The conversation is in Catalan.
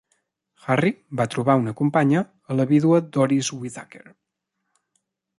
Harry va trobar una companya a la vídua Doris Whitaker.